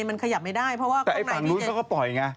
มันขยับไม่ได้เพราะว่าข้างในฝั่งนู้นเขาก็ปล่อยไง